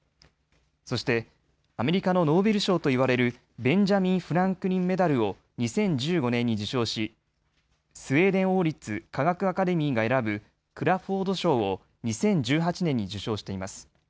そしてアメリカのノーベル賞といわれるベンジャミン・フランクリン・メダルを２０１５年に受賞しスウェーデン王立科学アカデミーが選ぶクラフォード賞を２０１８年に受賞しています。